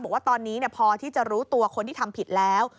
บอกว่าตอนนี้พอที่จะรู้ตัวคนที่ทำผิดแล้ว